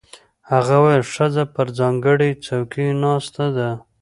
هغه وویل ښځه پر ځانګړو څوکیو ناسته ده.